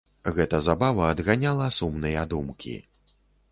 Гэта забава адганяла сумныя думкі.